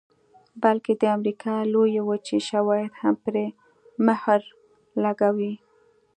بلکې د امریکا لویې وچې شواهد هم پرې مهر لګوي